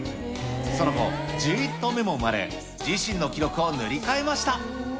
その後、１１頭目も生まれ、自身の記録を塗り替えました。